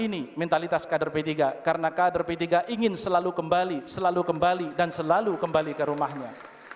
ini mentalitas kader p tiga karena kader p tiga ingin selalu kembali selalu kembali dan selalu kembali ke rumahnya